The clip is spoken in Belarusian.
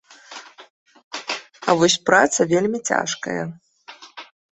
А вось праца вельмі цяжкая.